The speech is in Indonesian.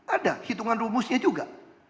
ada hitungan rumusnya juga